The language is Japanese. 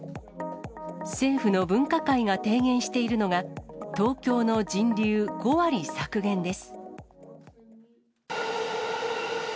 政府の分科会が提言しているのが、東京の人流５割削減です。